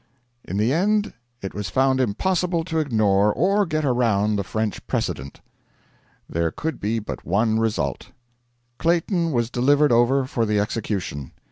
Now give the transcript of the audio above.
In the end it was found impossible to ignore or get around the French precedent. There could be but one result: Clayton was delivered over for the execution.